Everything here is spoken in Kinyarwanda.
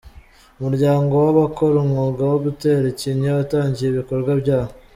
Umuryango w’abakora umwuga wo gutera ikinya watangiye ibikorwa byawo